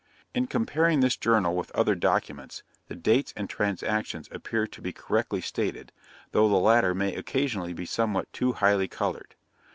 In comparing this journal with other documents, the dates and transactions appear to be correctly stated, though the latter may occasionally be somewhat too highly coloured.